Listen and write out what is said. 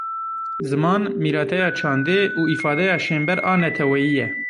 Ziman mîrateya çandê û îfadeya şênber a neteweyî ye.